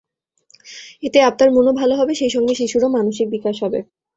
এতে আপনার মনও ভালো হবে সেই সঙ্গে শিশুরও মানসিক বিকাশ হবে।